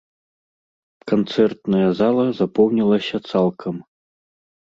Канцэртная зала запоўнілася цалкам.